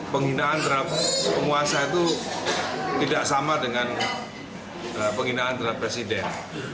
penghinaan terhadap penguasa itu tidak sama dengan penghinaan terhadap presiden